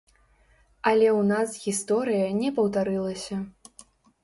Але ў нас гісторыя не паўтарылася.